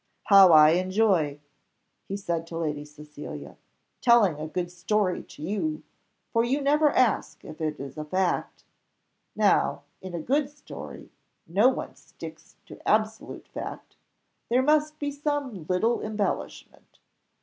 "How I enjoy," said he to Lady Cecilia "telling a good story to you, for you never ask if it is a fact. Now, in a good story, no one sticks to absolute fact; there must be some little embellishment.